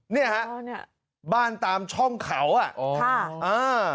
เนี่ยฮะบ้านตามช่องเขาอ่ะ